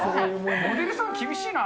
モデルさん厳しいな。